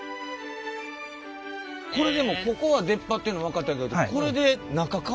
これでもここは出っ張ってるの分かったけどああええ。